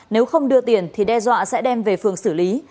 nếu không đưa tiền thì đe dọa sẽ đem về phường xử lý